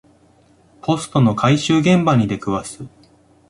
ポストの回収現場に出くわす